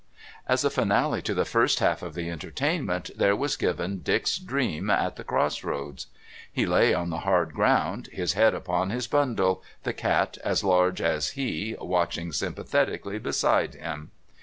As a finale to the first half of the entertainment there was given Dick's dream at the Cross Roads. He lay on the hard ground, his head upon his bundle, the cat as large as he watching sympathetically beside him.